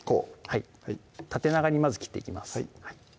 はい縦長にまず切っていきます